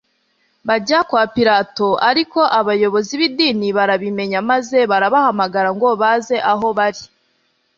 Bajya kwa Pilato, ariko abayobozi b'idini barabimenya maze barabahamagara ngo baze aho bari.